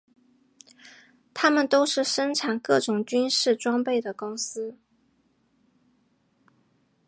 它们都是生产各种军事装备的公司。